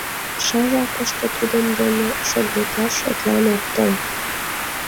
Паша жапыште тудын дене шогылташ шотлан ок тол.